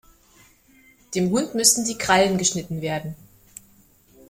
Dem Hund müssten die Krallen geschnitten werden.